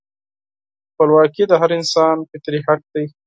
خپلواکي د هر انسان فطري حق دی.